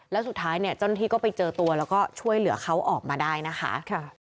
แล้วสุดท้ายเนี่ยเจ้าหน้าที่ก็ไปเจอตัวแล้วก็ช่วยเหลือเขาออกมาได้นะคะ